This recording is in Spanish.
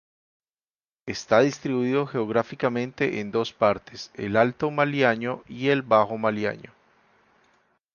Está distribuido geográficamente en dos partes, el Alto Maliaño y el Bajo Maliaño.